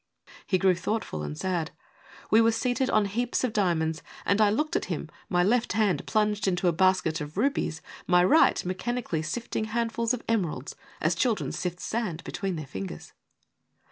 He grew thoughtful and sad. We were seated on heaps of diamonds, and I looked at him, my left hand plunged into a basket of rubies, my right mechani cally sifting handfuls of emeralds as children sift sand between their fingers.